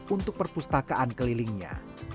untuk perpustakaan kelilingnya